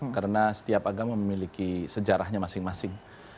karena setiap agama memiliki sejarahnya masing masing